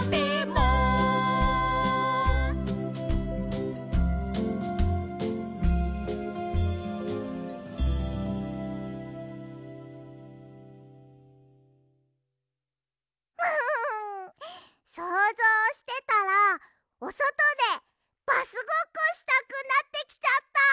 ムフフフそうぞうしてたらおそとでバスごっこしたくなってきちゃた！